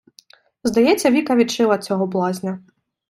Здається, Віка "відшила" цього блазня.